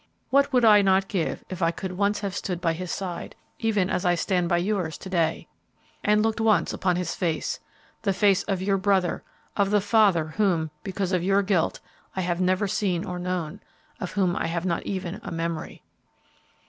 What would I not give if I could once have stood by his side, even as I stand by yours to day, and looked once upon his face, the face of your brother and of the father whom, because of your guilt, I have never seen or known, of whom I have not even a memory!